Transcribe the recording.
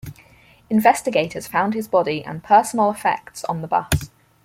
Investigators found his body and personal effects on the bus.